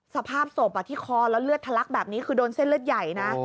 สภาพศพที่คอแล้วเลือดทะลักแบบนี้คือโดนเส้นเลือดใหญ่นะ